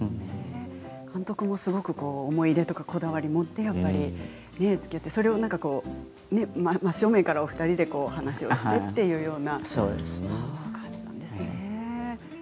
監督もすごく思い入れとかこだわりを持って作ってそれを真正面から２人で話をしてというような。